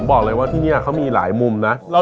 บอกเลยว่าที่นี่เขามีหลายมุมนะ